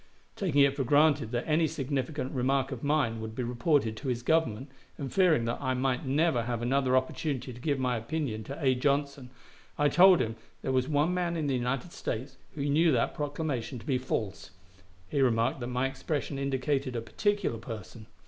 Taking it for granted that any significant remark of mine would be reported to his Government, and fearing that I might never have another opportunity to give my opinion to A. Johnson, I told him there was one man in the United States who knew that proclamation to be false. He remarked that my expression indicated a particular person.